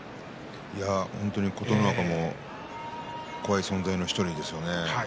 琴ノ若も怖い存在の１人ですね。